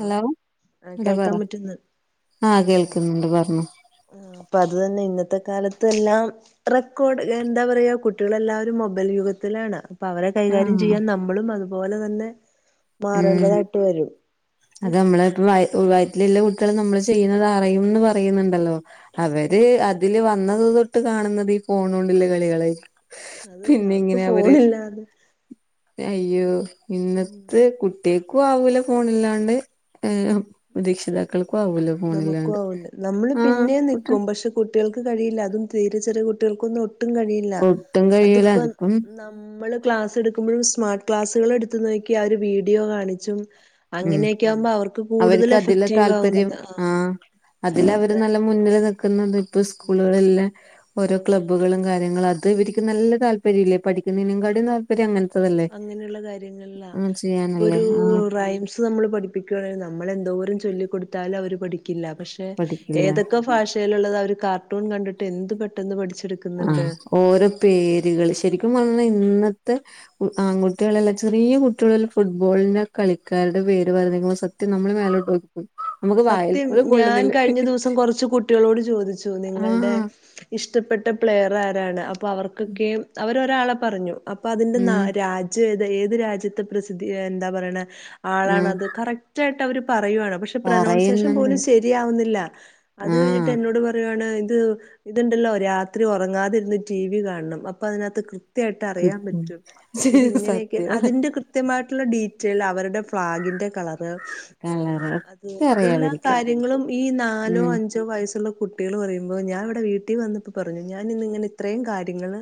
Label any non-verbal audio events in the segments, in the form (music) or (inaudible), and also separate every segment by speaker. Speaker 1: Hello
Speaker 2: ആ
Speaker 1: എന്താ പറ
Speaker 2: കേൾക്കാൻ പറ്റുന്നു
Speaker 1: ആ കേൾക്കുന്നുണ്ട് പറഞ്ഞോ
Speaker 2: അപ്പൊ അത് തന്നെ ഇന്നത്തെ കാലത്ത് എല്ലാം റെക്കോർഡ് എന്താ പറയാ കുട്ടികളെല്ലാവരും മൊബൈൽ യുഗത്തിലാണ് അപ്പ അവരെ കൈകാര്യം
Speaker 1: ആഹ്
Speaker 2: ചെയ്യാൻ നമ്മളും അതുപോലെ തന്നെ
Speaker 1: ഉം
Speaker 2: മാറേണ്ടതായിട്ട് വരും
Speaker 1: അത് നമ്മള് ഇപ്പ വ വയ്റ്റില് ല്ലെ കുട്ട്യേള് നമ്മള് ചെയ്യ്ണത് അറിയുംന്ന് പറയ്ണ്‌ണ്ടല്ലോ അവര് അതില് വന്നത് തൊട്ട് കാണുന്നത് ഈ ഫോണോണ്ട്ല്ലെ കളികളായ്രിക്കും
Speaker 2: അത് തന്നെ
Speaker 1: പിന്നെ
Speaker 2: അവർക്ക്
Speaker 1: ഇങ്ങനെ അവര്
Speaker 2: ഫോണില്ലാതെ
Speaker 1: അയ്യോ
Speaker 2: ഉം
Speaker 1: ഇന്നത്തെ കു ട്ട്യേക്കും ആവൂല ഫോണില്ലാണ്ട് ഏഹ് രക്ഷിതാക്കൾക്കും ആവൂല
Speaker 2: നമുക്കും
Speaker 1: ഫോണില്ലാണ്ട്
Speaker 2: ആവൂല നമ്മള്
Speaker 1: ആഹ്
Speaker 2: പിന്നെ
Speaker 1: കുട്ട
Speaker 2: നിക്കും പക്ഷെ കുട്ടികൾക്കും കഴിയില്ല അതും തീരെ ചെറിയ കുട്ടികൾക്കൊന്നും ഒട്ടും കഴിയില്ല
Speaker 1: ഒട്ടും കഴിയൂലാ അതിപ്പം
Speaker 2: മ്മള് ക്ലാസ് എട്ക്ക്മ്പഴും സ്മാർട്ട് ക്ലാസ്സ്കളെട്ത്ത് നോക്ക്യാ അ ഒരു വീഡിയോ കാണിച്ചും
Speaker 1: ഉം
Speaker 2: അങ്ങനെയെക്കെ ആവുമ്പ അവർക്ക്
Speaker 1: അതിലാ
Speaker 2: കൂടുതലെഫെക്റ്റീവ് ആവുന്ന്
Speaker 1: താല്പര്യം ആഹ് അതില് അവര് നല്ല മുന്നില് നിക്ക്ന്നത് ഇപ്പൊ സ്കൂൾകളിൽല്ലെ ഓരോ ക്ലബ്ബ്കളും കാര്യങ്ങളും അത് ഇവര്ക്ക് നല്ലെ താല്പര്യല്ലേ പഠിക്ക്ന്നേനെക്കാട്ടിം താ ര് അങ്ങെൻത്തെതല്ലേ
Speaker 2: അങ്ങനെയുള്ള കാര്യങ്ങളാ ഇപ്പൊ ഒരു
Speaker 1: ആഹ്
Speaker 2: (unintelligible) നമ്മൾ പഠിപ്പിക്കാണ് നമ്മളെന്തോരം ചൊല്ലിക്കൊട്ത്താലും അവര് പഠിക്കില്ല പക്ഷെ
Speaker 1: പഠിക്കില്ല
Speaker 2: ഏതൊക്ക ഏത് ഭാഷയിലുള്ളതും അവ ഒരു കാർട്ടൂൺ കണ്ടിട്ട് എന്ത് പെട്ടെന്ന് പഠിച്ചെടുക്കും
Speaker 1: ആ ഓരോ പേരുകൾ ശരിക്കും പറഞ്ഞാ ഇന്നത്തെ കു ആൺകുട്ടികളെല്ലാം ചെറിയ കുട്ടികളെല്ലാം ഫുട്ബോളിന്നെ കളിക്കാര്ടെ പേര് പറയുന്നേക്കുമ്പം സ ക്ഷെ നമ്മള് മേലോട്ടോക്
Speaker 2: സത്യം. ഞാൻ കഴിഞ്ഞ ദിവസം കൊറച്ച് കുട്ടികളോട് ചോദിച്ചു നിങ്ങൾടെ
Speaker 1: ആഹ്
Speaker 2: ഇഷ്ടപ്പെട്ട പ്ലെയർ ആരാണ്. അപ്പോ അവർക്കൊക്കെയും അവരൊരാളെ പറഞ്ഞു. അപ്പൊ അതിന്റെ ന
Speaker 1: ഉം
Speaker 2: രാജ്യം ഏത ഏത് രാജ്യത്തെ പ്രസിദ്ധി എന്താ പറയണെ
Speaker 1: ഉം
Speaker 2: ആളാണത് കറക്റ്റായിട്ട് അവര് പറയുവാണ്. പക്ഷെ, പ്രനൗൺസേഷൻ
Speaker 1: പറയുന്നുണ്ട്
Speaker 2: പോലും ശെരിയാവുന്നില്ല. അത്
Speaker 1: ആഹ്
Speaker 2: കഴിഞ്ഞിട്ട് എന്നോട് പറ യാണ്. ഇത് ഇത്ണ്ടല്ലോ രാത്രി ഒറങ്ങാതിരുന്ന് ടി വി കാണണം. അപ്പൊ അതിനകത്ത് കൃത് കൃത്യായിട്ട് അറിയാൻ
Speaker 1: കിട്ടും
Speaker 2: പറ്റും ഇത് ഇങ്ങനെയൊക്കെ
Speaker 1: സത്യം
Speaker 2: അതിന്റെ കൃത്യ ത്യമായിട്ടുള്ള ഡീറ്റെയിൽ അവരുടെ ഫ്ളാഗിന്റെ കളറ് ആഹ്
Speaker 1: കളറ്
Speaker 2: എല്ലാ കാര്യങ്ങളും ഈ നാലോ
Speaker 1: ഉം
Speaker 2: അഞ്ച ഞ്ചോ വയസ്സുള്ള കുട്ടികൾ പറയ്മ്പൊ ഞാൻ ഇവിടെ വീട്ടി വന്നപ്പോ പറഞ്ഞു ഞാനിന്നിങ്ങന ഇത്രയും കാര്യങ്ങൾ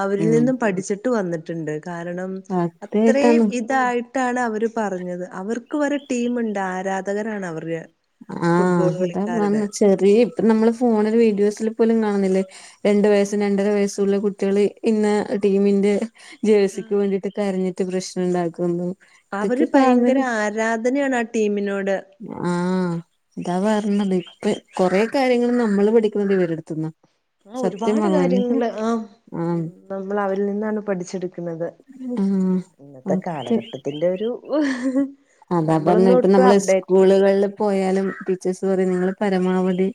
Speaker 2: അവരിൽ നിന്നും പഠിച്ചിട്ട് വന്നിട്ടിണ്ട്. കാരണം അത്രയും
Speaker 1: സത്യായിട്ടാണ്
Speaker 2: ഇതായിട്ട് ട്ടാണ് അവര് പറഞ്ഞത് അവർക്ക് വരെ ടീമ്ണ്ട് ആരാധകരാണ് അവർ ര
Speaker 1: ആഹ് അതാ പറഞ്ഞെ ചെറി ഇപ്പ നമ്മള് ഫോണില് വീഡിയോസിൽ പോലും കാണുന്നില്ലേ രണ്ടു വയസ്സും രണ്ടര വയസ്സുള്ള കുട്ടികള് ഇന്ന് ടീവിന്റെ ജേഴ്സിക്ക് വേണ്ടിട്ട് കരഞ്ഞിറ്റ് പ്രശ്നം ഉണ്ടാക്കുന്നു.
Speaker 2: അവര്
Speaker 1: ഇതൊക്കെ
Speaker 2: ഭയങ്കര
Speaker 1: കാണല്
Speaker 2: ആരാധനയാണ് ആ ടീമിനോട്.
Speaker 1: ആഹ് ഇതാ പറഞ്ഞത് ഇപ്പ കൊറെ കാര്യങ്ങൾ നമ്മള് പഠിക്ക്ണത് വരെടുത്തുന്ന.
Speaker 2: ആ ഒരുപാട് കാര്യങ്ങള് ആഹ് ഉം.
Speaker 1: ആഹ്
Speaker 2: നമ്മൾ അവരിൽ നിന്നാണ് പഠിച്ചെടുക്കുന്നത്.
Speaker 1: ആഹ്
Speaker 2: ഇന്നത്തെ
Speaker 1: ഓക്കെ
Speaker 2: കാലഘട്ടത്തിന്റെ ഒരു ഓഹ്
Speaker 1: അതാ പറഞ്ഞ ഇപ്പ നമ്മളെ ഇസ്കൂളുകളിൽ പോയാലും ടീച്ചേഴസ് പറയും നിങ്ങള് പരമാവധി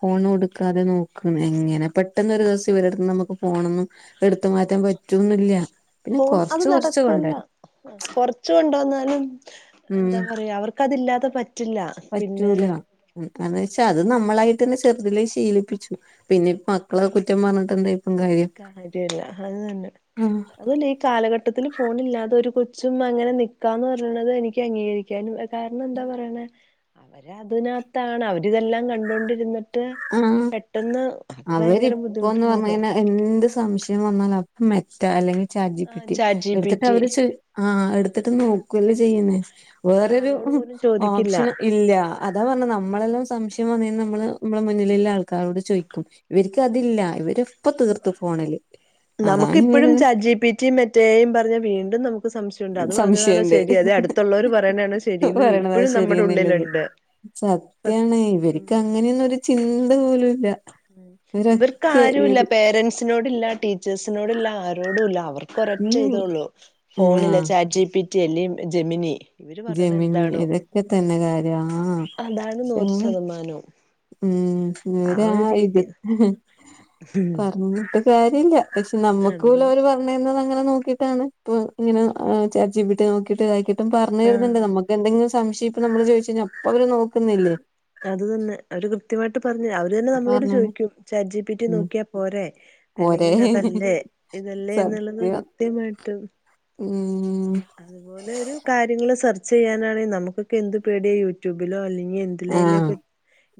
Speaker 1: ഫോൺ കൊടുക്കാതെ നോക്ക്ന്ന്‌. എങ്ങനെ പെട്ടെന്ന് ഒരു ദിവസം ഇവരെടുത്തുന്ന് നമുക്ക് ഫോണൊന്നും എടുത്തു മാറ്റാൻ പറ്റൊന്നില്ല. പിന്നെ കൊറച്ച് കൊറച്ച് കൊണ്ടര.
Speaker 2: കൊറച്ച്‌ കൊണ്ടോന്നാലും
Speaker 1: ഉം
Speaker 2: എന്താ പറയാ അവർക്കതില്ലാതെ പറ്റില്ല. പിന്നെ
Speaker 1: പറ്റൂല. അത് വെച്ചാ അത് നമ്മളായിട്ട്ന്നെ ചെറുതിലേ ശീലിപ്പിച്ചു. പിനിപ്പോ മക്കള കുറ്റം പറഞ്ഞിട്ടെന്തേ
Speaker 2: കാര്യല്ല അത് തന്നെ.
Speaker 1: ആഹ്
Speaker 2: അതുല്ല ഈ കാലഘട്ടത്തിൽ ഫോണില്ലാതെ ഒരു കൊച്ചും അങ്ങനെ നിക്കാന്ന് പറയണത് എനിക്ക് അംഗീകരി ക്കാൻ കാരണം എന്താ പറയണ അവര് അതിനത്താണ് അവരിതെല്ലാം കണ്ടൊണ്ടിരുന്ന് ട്ട്
Speaker 1: ആഹ്
Speaker 2: പെട്ടെന്ന് അത് ഭയങ്കര
Speaker 1: അവരിപ്പോന്ന്
Speaker 2: ബുദ്ധിമുട്ടുള്ള കാര്യാ
Speaker 1: പറഞ്ഞയിഞ്ഞ എന്ത് സ് സംശയം വന്നാൽ അപ്പ മെറ്റ അല്ലെങ്കിൽ ചാറ്റ്
Speaker 2: ആ
Speaker 1: ജിപ്പിറ്റി
Speaker 2: ചാറ്റ് ജി പി
Speaker 1: എടുത്തിട്ട്
Speaker 2: ടി
Speaker 1: അവര് ചോ ആഹ് എടുത്തിട്ട് നോക്കൂവല്ലേ ചെയ്യ്ന്നേ. വേറൊരു
Speaker 2: ഒരാളോട് പോലും ചോദിക്കില്ല
Speaker 1: ഓപ്ഷൻ ഇല്ല. അതാ പറഞ്ഞെ നമ്മളെല്ലാം സംശയം വന്നയിഞ്ഞ നമ്മള് നമ്മളെ മുന്നിലുള്ള ആൾക്കാരോട് ചോയിക്കും. ഇവരിക്കതില്ല ഇവര്പ്പ തീർത്തു ഫോണില്.
Speaker 2: നമുക്ക്
Speaker 1: അതാണ്
Speaker 2: ഇപ്പോഴും
Speaker 1: ഇവര്
Speaker 2: ചാറ്റ് ജി പിറ്റിയും മെറ്റ എഐ യും പറഞ്ഞാ വീണ്ടും നമുക്ക് സംശയുണ്ട് അത് പറഞ്ഞതാണോ
Speaker 1: സംശയണ്ട്
Speaker 2: ശരി അത് അടുത് ത്തുള്ളവര് പറയണയാണോ ശരിന്ന്
Speaker 1: പറയണതാ
Speaker 2: ഇപ്പോഴും നമ്മുടെ
Speaker 1: ശരിയെന്നുള്ളത്
Speaker 2: ഉള്ളിലുണ്ട്. സത്
Speaker 1: സത്യാണ് ഇവര്ക്ക്
Speaker 2: ഉം
Speaker 1: അങ്ങനെയെന്നോരു ചിന്ത പോലുല്ല.
Speaker 2: ഇവർക്ക് ആരുല്ല. പേരന്റ്സിനോടില്ല ടീച്ചേഴ്സിനോടില്ല ആരോടുല്ല അവർക്ക് ഒരറ്റ ഇതേ
Speaker 1: ഉം
Speaker 2: ഉള്ളൂ
Speaker 1: ആഹ്
Speaker 2: ഫോണില് ചാറ്റ് ജി പി റ്റി അല്ലെ ജെമിനി. ഇവര് പറയണ
Speaker 1: ജമിനി
Speaker 2: എന്താണോ
Speaker 1: ഇതൊക്കെ തന്നെ കാര്യ ആ (unintelligible)
Speaker 2: മനോ
Speaker 1: ഉം ഈടെ ആ ഇത്. പറഞ്ഞിട്ട് കാര്യല്ല. പക്ഷെ നമ്മുക്ക്
Speaker 2: അത്
Speaker 1: പോലെ
Speaker 2: തന്നെ
Speaker 1: അവരെ പർ (unintelligible) അങ്ങനെ നോക്കിട്ടാണ് ഇപ്പ ഇങ്ങനെ ആ ചാറ്റ് ജിപിറ്റി നോക്കിട്ട് കിട്ട് വായിക്കു പ്പം പറഞ്ഞു
Speaker 2: ആഹ്
Speaker 1: തരുന്ന്ണ്ട്. നമുക്ക് എന്തെങ്കിലും സംശയം ഇപ്പ നമ്മളത് ചോയിച്ചു കഴിഞ്ഞാ അപ്പോ അവര് നോക്കുന്നില്ലേ?
Speaker 2: അത് തന്നെ അവര് കൃത്യമായിട്ട് പറഞ്ഞു അവര് തന്നെ നമ്മളോട്
Speaker 1: പറഞ്ഞേന്
Speaker 2: ചോദിക്കും ചാറ്റ് ജി പി റ്റി
Speaker 1: ഉം
Speaker 2: നോക്കിയാ പോരെ.
Speaker 1: പോരെ
Speaker 2: അല്ലെങ്കിൽ അതല്ലേ ഇതല്ലേ എന്ന്ള്ളത് കൃത്യമായിട്ടും
Speaker 1: മ്മ് ഉം
Speaker 2: അതുപോലെ ഒരു കാര്യങ്ങള് സർച്ച് ചെയ്യാനാണെങ്കി നമുക്കൊക്കെ എന്ത് പേടിയോ യൂട്യൂബിലോ അല്ലങ്കിൽ എ
Speaker 1: ആഹ്
Speaker 2: ത്തിലേലൊക്കെ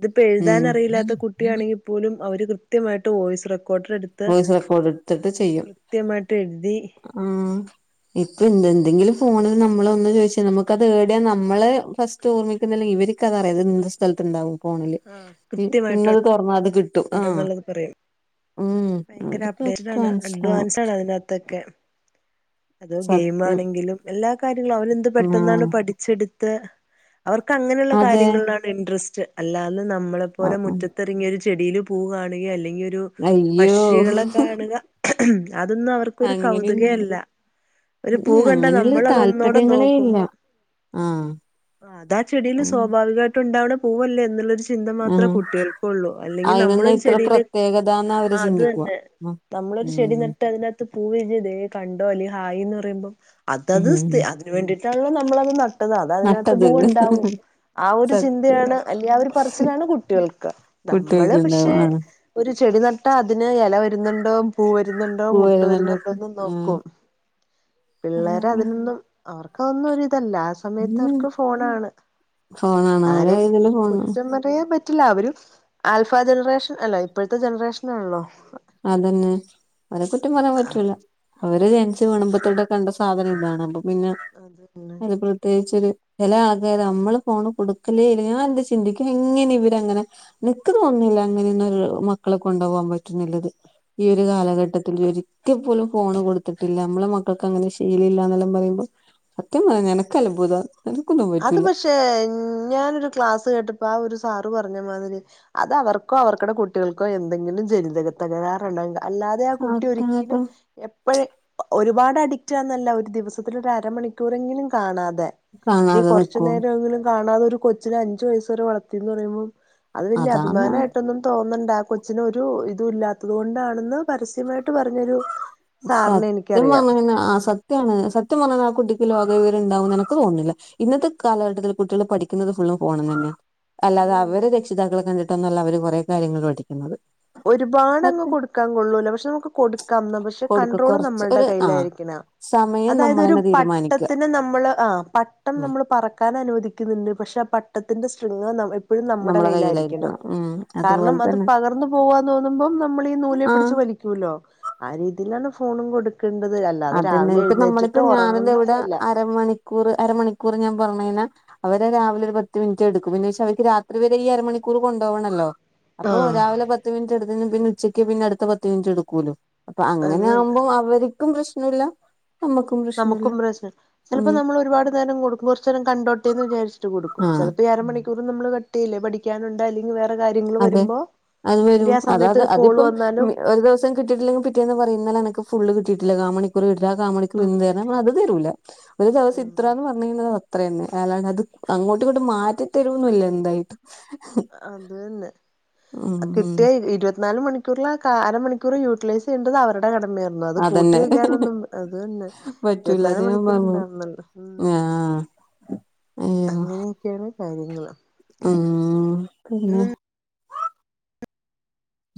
Speaker 2: ദ്പ്പോ
Speaker 1: ഉം
Speaker 2: എഴ്താന റിയില്ലാത്ത കുട്ടിയാണെങ്കി പോലും അവര് കൃത്യമായിട്ട് വോയിസ് റെക്കോർഡ് എടുത്ത്
Speaker 1: വോയിസ് റെക്കോർഡ് എടുത്തിട്ട് ചെയ്യും
Speaker 2: ത്ത് കൃത്യമായിട്ടഴ്തി
Speaker 1: ആഹ് ഇപ്പൊ എന്ത എന്തെങ്കിലും ഫോണിൽ നമ്മള ഒന്ന് ചോദിച്ച നമുക്ക്ത് എവിടെയാ നമ്മള് ഫസ് ചോർമിക്കുന്നില്ല ഇവര്ക്കതറിയത് ന്തസ്ഥലത്ത്ണ്ടാവും ഫോണില് ഇ ഇന്നത് തൊർന്നാത് കി
Speaker 2: ണ്ടന്നുള്ളത് പറയും അവര് ഭയങ്കര അപ്ഡേറ്റഡ
Speaker 1: അവർക്കൊക്കെ
Speaker 2: ആണ്
Speaker 1: മനസ്സിലാവും
Speaker 2: അഡ്വാൻസ് ആണ് അതിനകത്തൊക്കെ അതോ ഗെയിം
Speaker 1: സത്യം
Speaker 2: ആണെങ്കിലും എല്ലാ കാര്യങ്ങളും അവന എന്ത്
Speaker 1: ആഹ്
Speaker 2: പെട്ടെന്നാണ് പഠിച്ചെടുത്ത് അവർക്ക് അങ്ങനെയുള്ള
Speaker 1: അതെ
Speaker 2: കാര്യങ്ങളിലാണ് ഇൻട്രസ്റ്റ് അല്ലാതെ നമ്മളെ പോലെ മുറ്റത്തിറങ്ങിയരു ചെടിൽ പൂ കാണുക അല്ലെങ്കിൽ ഒരു
Speaker 1: അയ്യോ
Speaker 2: പക്ഷികളെ കാണുക അതൊന്നും അവർ പ്പൊ ഒരു
Speaker 1: അങ്ങനെയൊന്നുല്ല
Speaker 2: കൗതുകയല്ല ഒരു പൂ
Speaker 1: ഉം
Speaker 2: കണ്ട
Speaker 1: അങ്ങനെയുള്ള
Speaker 2: നമ്മൾ അതൊന്നൂടെ
Speaker 1: താല്പര്യങ്ങളേ ഇല്ല
Speaker 2: നോക്കുമ്പോം
Speaker 1: ആഹ്
Speaker 2: അതാ ചെടിൽ സ്വാഭാവികയിട്ട് ഉണ്ടാവണ പൂവല്ലേ എന്നുള്ളൊരു ചിന്ത മാത്രമേ
Speaker 1: ആഹ്
Speaker 2: കുട്ടികൾക്കള്ളൂ അല്ലെങ്കിൽ
Speaker 1: അയിനൊന്നും
Speaker 2: നമ്മളൊരു
Speaker 1: ഇത്ര
Speaker 2: ചെടിൽ
Speaker 1: പ്രത്യേകതാന്ന് അവര്
Speaker 2: ആ അത്
Speaker 1: ചിന്തിക്കുവാ
Speaker 2: തന്നെ
Speaker 1: ഉം
Speaker 2: നമ്മളൊരു ചെടി നട്ട അതിനത്ത് പൂവിരിഞ്ഞു തേ കണ്ടോ അല്ല ഹായ്ന്ന് പറയുമ്പോ അതത്
Speaker 1: ഉം
Speaker 2: സ്ഥി അതാത് തിന് വേണ്ടിട്ടാൺല്ലോ നമ്മളത് ന ട്ട അത അതിനകത്ത്
Speaker 1: നട്ടത്
Speaker 2: പൂവ ഉണ്ടാവും ആ ഒരു ചിന്തയാണ്
Speaker 1: സത്യായിട്ട്
Speaker 2: അല്ലെ ആ ഒരു പറച്ചിലാണ് കുട്ടികൾക്ക് നമ്മള്
Speaker 1: കുട്ടികൾക്കുണ്ടാവും
Speaker 2: പക്ഷെ
Speaker 1: ആഹ്
Speaker 2: ഒരു ചെടി നട്ട അതിന് എല വരുന്നുണ്ടോം പൂ വരുന്നുണ്ടോ മുട്ടു
Speaker 1: വരുന്നുണ്ടോക്ക്
Speaker 2: വരുന്നുണ്ടോന്ന് നോക്കും
Speaker 1: ആഹ്
Speaker 2: പിള്ളേരതിനൊന്നും അവർക്കതൊന്നും ഒരു ത്തല്ല ആ സമയത്ത്
Speaker 1: ഉം
Speaker 2: അവർക്ക് ഫോൺ ആണ്
Speaker 1: ഫോണാണ് അവരെ
Speaker 2: ആരെയും
Speaker 1: ഇതില് ഫോണ്
Speaker 2: കുറ്റം പെയാൻ പറ്റില്ല അവരും ആൽഫാ ജനറേഷൻ അല്ലേ ഇപ്പഴ്ത്തെ ജനറേഷനാൺലോ
Speaker 1: അതന്നെ മനസെറ്റും പറ്യാൻ പറ്റൂല അവര് ജൻച്ച് വീണുമ്പത്തോട്ടെ കണ്ട സാധനം താണ് അപ്പൊ പിന്നെ
Speaker 2: അതന്നെ
Speaker 1: (unintelligible) ത്യേകിച്ചരു ചില ആൾക നമ്മള് ഫോണ് കൊടുക്കലേല ഞാൻന്ത് ചിന്തിക്യു എങ്ങനെ ഇവര്ങ്ങനെ നിക്ക് തോന്ന്ണില്ല അങ്ങനെന്നൊരാൾ മക്കളെ കൊണ്ടവാൻ പറ്റ്ണില്ലത് ഈ ഒര്
Speaker 2: ഉം
Speaker 1: കാലഘട്ടത്തിൽ ഒര് ട്ടിപോലും ഫോണ് കൊട്ത്തിട്ടില്ല മ്മളെ മക്കൾക്ക് അങ്ങനെ ശീലില്ലാന്നല്ലാം പറയുമ്പോ സത്യം പറഞ്ഞാ എനക്ക് അത്ഭുതാ എനക്കൊന്നും പറ്റൂല
Speaker 2: റ്റേ ഞ്ഞാനൊരു ക്ലാസ്സ് കേട്ടപ്പോ ആ ഒരു സാറ് പറഞ്ഞമാതിരി അത് അവർക്കോ അവർക്കടെ കുട്ട്യോൾക്കോ എന്തെങ്കിലും ജനിതക തകരാറുള്ളെങ്ക അല്ലാതെ ആ കുട്ടി ഒരിക്കലും
Speaker 1: ആൾക്കാരൊക്കെ
Speaker 2: എപ്പഴ് ഒരുപാട അഡിറ്റാന്നല്ല ഒര് ദിവസത്തില് രരമണിക്കൂറെങ്കിലും കാണാതെ അല്ലേ
Speaker 1: കാണാതെ
Speaker 2: കൊർച്ചു
Speaker 1: നിക്കുവോ
Speaker 2: നേരോങ്കിലും കാണാതെ ഒരു കൊച്ചിന് അഞ്ചു വയസ് വരെ വളർത്തിന്ന് പറയുമ്പോം അത് വല്യ
Speaker 1: അതാണ്
Speaker 2: അഭിമാനമായിട്ടൊന്നും തോന്നണ്ട കൊച്ചിന ഒരു ഇതും ഇല്ലാത്തത് കൊണ്ടാണെന്ന് പരസ്യമായിട്ട് പറഞ്ഞൊരു സാറിനെ
Speaker 1: സത്യം
Speaker 2: എനിക്കറിയാം
Speaker 1: പറഞ്ഞ ആ
Speaker 2: ഉം
Speaker 1: സത്യാണ് സത്യം പറഞ്ഞാൽ ആ കുട്ടിക്ക് ലോക വിവരംണ്ടാവും എന്ന് എനക്ക് തോന്നുന്നില്ല ഇന്നത്തെ കാലഘട്ടത്തിൽ കുട്ടികൾ പഠിക്കുന്നത് ഫുള്ളും ഫോണുന്നു തന്നെയ
Speaker 2: അത്
Speaker 1: അല്ലാതെ
Speaker 2: തന്നെ
Speaker 1: അവര് രക്ഷിതാക്കളെ കണ്ടിട്ടൊന്നല്ല അവര് കൊറെ കാര്യങ്ങൾ പഠിക്കുന്നത്
Speaker 2: ഒരുപാട് അങ്ങ്
Speaker 1: സത്യം
Speaker 2: കൊടുക്കാൻ കൊള്ളൂല പക്ഷെ നമുക്ക് കൊടുക്കാം പക്ഷെ
Speaker 1: കൊടുക്ക
Speaker 2: കണ്ട്രോള്
Speaker 1: കുറച്ച്
Speaker 2: നമ്മളുടെ
Speaker 1: ഒരു ആ
Speaker 2: കയ്യിലായിരിക്കണാ
Speaker 1: സമയം
Speaker 2: അതായത് ഒരു
Speaker 1: നമ്മളന്നെ തീരുമാനിക്കുക
Speaker 2: പട്ടത്തിന് നമ്മള് ആഹ് പട്ടം നമ്മള് പറ ക്കാൻ അനുവദിക്കുന്നുണ്ട് പക്ഷെ ആ പട്ടത്തിന്റെ ശൃംഗ നമ്മ പ്പഴും നമ്മടെ
Speaker 1: നമ്മളെ
Speaker 2: കയ്യിലാരിക്കണം
Speaker 1: കയ്യിലായിരിക്കണം ഉം
Speaker 2: കാരണം
Speaker 1: അതുപോലെ
Speaker 2: അത്
Speaker 1: തന്നെ
Speaker 2: പകർന്നു പോവ്വാ തോന്നുമ്പോം നമ്മളി ഈ നൂല്
Speaker 1: ആ
Speaker 2: പിടിച്ചുവലിക്യുല്ലോ ആ രീതിലാണ് ഫോണും കൊടുക്കണ്ടത് അല്
Speaker 1: അതന്നെപ്പ നമ്മളിപ്പ ഞാനിന്നിവിടെ അരമണിക്കൂറ് അരമണിക്കൂറ് ഞാൻ പൊറമേന അവരെ രാവിലെ ഒര്പത്ത് മിൻറ്റ് എട്ക്കും പിന്നെ ശഅവർക്ക് രാത്രി വരെ ഈ അര മണിക്കൂർ കൊണ്ടോവണല്ലോ അപ്പൊ
Speaker 2: അത്
Speaker 1: രാവിലെ പത്ത്മിനിറ്റ്ടുത്തയ്ഞ പിന്നെ ഉച്ചക്ക് പിന്നെ അടുത്ത പത്ത്മിനിറ്റ് എടുക്കൂലോ അപ്പൊ അങ്ങനെ
Speaker 2: തന്നെ
Speaker 1: ആവുമ്പോ അവർക്കും പ്രശ്നല്ല നമക്
Speaker 2: നമുക്കും പ്രശ്ന ചെലപ്പോ നമ്മള് ഒരുപാട് നേരം കൊടുക്കും കൊർച്ചേരം കണ്ടോട്ടേന് വിചാരിച്ച് കൊടുക്കും
Speaker 1: ആഹ്
Speaker 2: ചെലപ്പോ അരമണിക്കൂർ നമ്മള് കട്ടയിലെ പടി ക്യാനുണ്ട അല്ലെങ്കിൽ വേറെ കാര്യങ്ങൾ
Speaker 1: അതെ
Speaker 2: വരുമ്പോ
Speaker 1: അത് വരും
Speaker 2: ല്യേ സമയതൊരുകോളു വന്നാലും
Speaker 1: കിട്ടിട്ടില്ലെങ്കി പിറ്റേന്ന് പറയും ഇന്നലെ ഫുള്ള് കിട്ടിട്ടില്ല കാ മണിക്കൂർ കിട്ടിട്ടില്ല ആ കാമണിക്കൂർ ന്ന് തരണം അത് തരൂല്ല ഒരു ദിവസഇത്രന്ന്പറ ന്നത് അത്രന്നെ അല്ലാണ്ട് അത് അങ്ങോട്ടിങ്ങോട്ട് മാറ്റിത്തരുനുല്ല എന്തായിട്ടും (unintelligible)
Speaker 2: അതന്നെ
Speaker 1: ഉം ഉം
Speaker 2: കിട്ടിയ ഇരുപത്തിനാല് മണി (unintelligible) അരമണിക്കൂർ യൂട്ടിലൈസ് ചെയ്യണ്ടത് അവരുടെ കടമേ
Speaker 1: അതന്നെ
Speaker 2: അത്കൂട്ടിവക്കാനൊന്നുംഅതന്നെ
Speaker 1: പറ്റൂല അത്
Speaker 2: ഇരുപത്തിനല്
Speaker 1: ഞാൻ പറഞ്ഞു
Speaker 2: മണിക്കൂർണ്ടാവുന്നുണ്ട്
Speaker 1: ആഹ് (unintelligible)
Speaker 2: ചെല കാര്യങ്ങള്
Speaker 1: ആഹ് പിന്നെ
Speaker 2: എന്നിട്ട്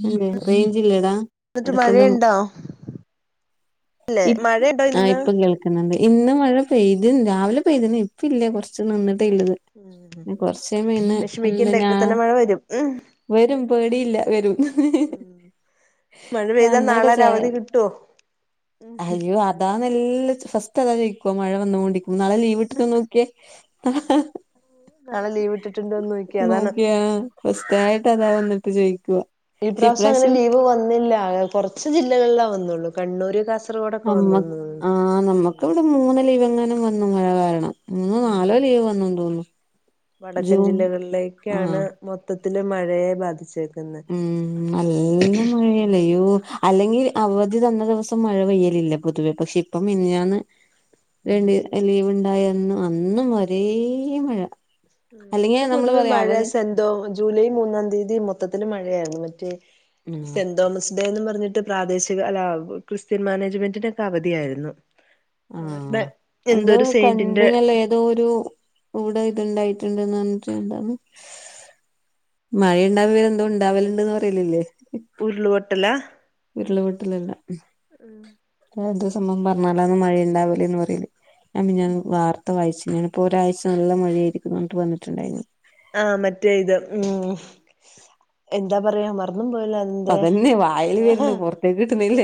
Speaker 1: ഇല്ലേ റേഞ്ച് ഇല്ലടാ
Speaker 2: ന്ട്ട് മഴയ്ണ്ട
Speaker 1: ഇപ് ആഹ് ഇപ്പ കേൾ ഇന്ന് മഴ പെയ്തിന് രാവിലെ പെയ്തിന് ഇപ്പ ഇല്ല കുറച്ച്ന് ള്ളത്
Speaker 2: ഉം
Speaker 1: കൊറച്ച് (inaudible) ന്ത്
Speaker 2: വിഷമിക്കണ്ട
Speaker 1: ഞാ
Speaker 2: ഇപ്പ തന്നെ മഴ വരും ഉം
Speaker 1: വരും പേടിയില്ല വരും
Speaker 2: മഴപെയ്താൽ
Speaker 1: വന്നോട്ടെ ചേ
Speaker 2: നാളരവധികിട്ടൊ
Speaker 1: അയ്യോ അതാ നല്ല ഫസ്റ്റ് അതാ ജോയി ക്കു മഴവന്നോണ്ടിരിക്കു നാളെ ലീവ്ട്ട്ന്നോക്കിയേ
Speaker 2: നാളെ ലീവ് ഇട്ടിട്ടുണ്ടോന്ന് നോക്കിയ അതാണ്
Speaker 1: നോക്യാ ഫസ്റ്റ് ആയിട്ട് അതാ വന്നിട്ട് ചോയിക്കുവാ
Speaker 2: ഇപ്രാവശ്യം അങ്ങനെലീവ് വന്നില്ല കൊർച്ച് ജില്ലകളിലാ വന്നുള്ളൂ കണ്ണൂര്, കാസ
Speaker 1: നമ്മ ആ നമ്മക്ക് ഇവടെ മൂന്ന് ലിവങ്ങനും വന്നു മഴകാരണം. മൂന്നോ നാലോ
Speaker 2: ഉം
Speaker 1: ലീവ് വന്നന്നു തോന്നുന്നു
Speaker 2: വടക്കൻ
Speaker 1: ജൂൺ
Speaker 2: ജില്ലകളിലേക്കാണ്
Speaker 1: ആഹ്
Speaker 2: മൊത്തത്തില് മഴയെ ബാധിച്ചത്
Speaker 1: ഉം നല്ല മഴേണ്
Speaker 2: ഉം
Speaker 1: അയ്യോ അല്ലെങ്കിൽ അവധി തന്ന ദിവസം മഴ പെയ്യലില്ല പൊതുവേ പക്ഷെ ഇപ്പം മിഞ്ഞാന്
Speaker 2: ഉം
Speaker 1: രണ്ട് ലീവ്ണ്ടായ്ര്ന്നു അന്നുംഒരേ മഴ അല്ലെങ്കി
Speaker 2: അന്ന്
Speaker 1: നമ്മള്
Speaker 2: പൊതുവേ
Speaker 1: പറയാ
Speaker 2: മഴ
Speaker 1: അവധി
Speaker 2: സൻ (unintelligible) ജൂലൈ മൂന്നാം തീയതി മൊത്തത്തില് മഴയായിരുന്നു മറ്റേ
Speaker 1: ആഹ്
Speaker 2: സെന്തോമസ് തെന്നുംപറഞ്ഞിട്ട് പ്രാദേശികഅല്ല ക്രിസ്ത്യൻമാനേജ്മെന്റിനൊക്കെ അവധിയാരുന്നു
Speaker 1: ആഹ് എന്തോ
Speaker 2: സെയിന്റിന്റെ
Speaker 1: കണ്ടിനല്ല ഏതോരു ഔടെ ഇത്ണ്ടായിട്ടുണ്ട്ന്ന് (unintelligible) മഴയുണ്ടവെഎന്തോ ഉണ്ടാവലുണ്ടന്ന് പറയിലില്ലേ
Speaker 2: ഉരുള്പൊട്ടല
Speaker 1: ഉരുള് പൊട്ടലല്ല അത്സംഭവം പറഞ്ഞാലന്ന്മഴയുണ്ടാവലേന്ന്പറയല് ഞാൻ മിഞ്ഞാന്ന് വാർത്ത വായിച്ചു പ്പോ ഒരാഴ്ച നല്ല മഴയായിരിക്കുംന് വന്നിട്ടുണ്ടായിരുന്നു
Speaker 2: ആഹ് മറ്റേ ഇത് മ്ഹ് എന്താപറയാ മറന്നും പോയല്ലോ അതിന്റെ
Speaker 1: അതെന്നെ വായ്ല് വെര്ന്ന്
Speaker 2: ആഹ്
Speaker 1: പൊർത്തേക്ക് കിട്ട്ണില്ല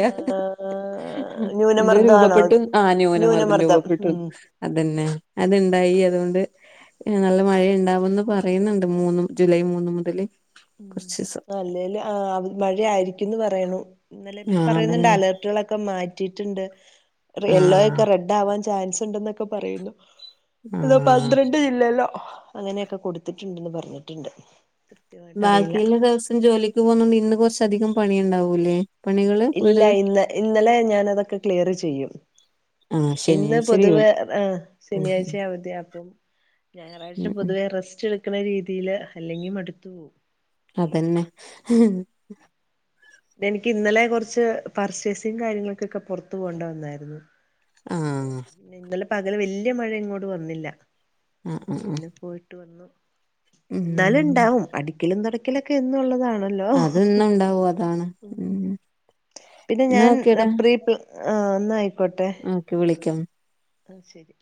Speaker 1: എതോ
Speaker 2: ന്യൂനമർദ്ദാണോ
Speaker 1: രൂപപ്പെട്ടു ആ ന്യുനമർദ്ദം
Speaker 2: ന്യൂനമർദ്ദം
Speaker 1: രൂപപ്പെട്ടു
Speaker 2: ഉം
Speaker 1: അതന്നെ അത്ണ്ടായി അതോണ്ട് നല്ല മഴയുണ്ടാവുംന്ന് പറ പെയ്ന്ന്ണ്ട് മൂന്നും ജൂലൈ മൂന്ന് മുതല് കുറച്ചീസം
Speaker 2: അല്ലേല് ആവ് മഴ ആയിരി റ്റിന്ന് പറയുണു ഇന്നലെ
Speaker 1: ആഹ്
Speaker 2: പറയ്ന്ന്ണ്ട്
Speaker 1: അതന്നെ
Speaker 2: അലേട്ട്കളൊക്കെ മാറ്റിട്ട്ണ്ട് റി
Speaker 1: ആഹ്
Speaker 2: യെല്ലോയൊക്കെ റെഡാവാൻ ചാൻസുണ്ടന്നൊക്കെ പറയുന്നു ന്ന
Speaker 1: ആഹ്
Speaker 2: പന്ത്രണ്ട് ജി ഇല്ലേല്ലോ അങ്ങനെയൊക്കെ കൊടുത്തിട്ടുണ്ടന്ന് പറഞ്ഞിട്ടിണ്ട്
Speaker 1: ബാക്കിയുള്ള ദിവസം ജോലിക്ക് പോകുന്നോണ്ട് ഇന്ന് കുറച്ച അധികം പണിയിണ്ടാവൂല്ലേ
Speaker 2: ഇല്ല ഇന്ന് ഇന്നലെ ഞാൻ അതൊക്കെ ക്ലിയറ് ചെയ്യും.
Speaker 1: ആഹ്
Speaker 2: ഇന്ന്
Speaker 1: ശനിയാഴ്ച ലീവ്
Speaker 2: പൊതുവേ ആ
Speaker 1: ഉം
Speaker 2: ശനിയാഴ്ച അവധിയാ അപ്പം
Speaker 1: ഉം
Speaker 2: ഞായറാഴ്ച
Speaker 1: ഉം
Speaker 2: പൊതുവേ റെസ്റ്റ് എടുക്കണ രീതിയില്. അല്ലെങ്കി മടുത്ത
Speaker 1: അതന്നെ ഹ് ഹ്
Speaker 2: എനിക്ക് ഇന്നലെ കെറച്ച് പർച്ചേസിങ്ങ് കാര്യങ്ങൾക്കൊക്കെ പൊറത്തു പോവണ്ട വന്നായിരുന്നു.
Speaker 1: ആഹ്
Speaker 2: ഇന്നലെ പകല് വല്യ മഴ ഇങ്ങോട് വന്നില്ല.
Speaker 1: ആഹ് ആഹ് ആഹ്
Speaker 2: പിന്നെ പോയിട്ട് വന്നു എന്തായാലും
Speaker 1: ഉം
Speaker 2: ഇണ്ടാവും അടിക്കലും തൊടയ്ക്കലൊക്കെ എന്നൊള്ളതാണ്.
Speaker 1: അതെന്നൊണ്ടാവും അതാണ് ഉം എന്നാ ഒക്കേടാ
Speaker 2: ഇപ്പൾ ആ ഒന്നായിക്കോട്ടെ.
Speaker 1: ഓക്കെ വിളിക്കാം.
Speaker 2: ആ ശരി